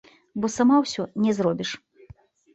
Бо сама ўсё не зробіш.